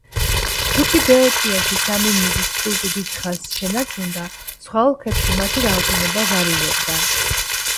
თუკი ბეოტიაში სამი მუზის კულტი დიდ ხანს შენარჩუნდა, სხვა ოლქებში მათი რაოდენობა ვარირებდა.